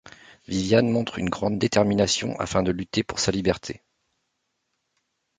Viviane montre une grande détermination afin de lutter pour sa liberté...